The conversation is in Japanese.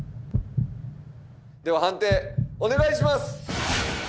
では判定お願いします！